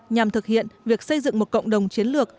nhằm thực hiện việc xây dựng một cộng đồng chiến lược